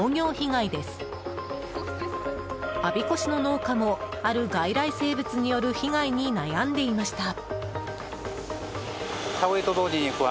我孫子市の農家もある外来生物による被害に悩んでいました。